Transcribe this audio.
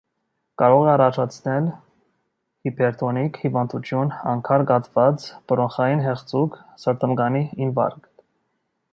Կարող է առաջացնել հիպերտոնիկ հիվանդություն, անգար, կաթված, բրոնխային հեղձուկ, սրտամկանի ինֆարկտ։